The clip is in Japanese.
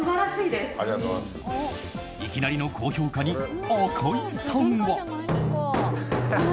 いきなりの高評価に赤井さんは。